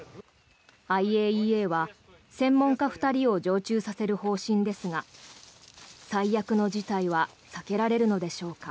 ＩＡＥＡは専門家２人を常駐させる方針ですが最悪の事態は避けられるのでしょうか。